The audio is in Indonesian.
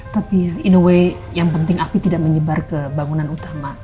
tapi ya in away yang penting api tidak menyebar ke bangunan utama